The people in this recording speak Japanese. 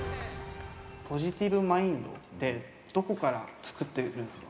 ポジティブマインドって、どこから作ってるんですか？